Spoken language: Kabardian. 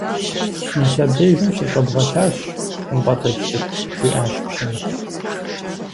Мис абдежым щыщӀэбгъэлъащ, ХъумпӀэцӀэджыжь цӀыкӀу! – жиӀащ пщым.